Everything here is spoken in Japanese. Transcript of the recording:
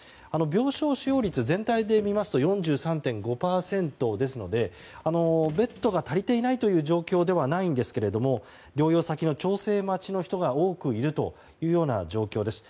病床使用率、全体で見ますと４３．５％ですのでベッドが足りていないという状況ではないんですが療養先の調整待ちの人が多くいるという状況です。